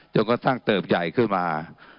จนก็สร้างเติบใหญ่ขึ้นมา